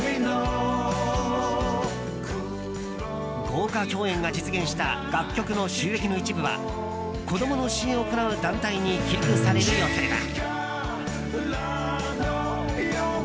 豪華共演が実現した楽曲の収益の一部は子供の支援を行う団体に寄付される予定だ。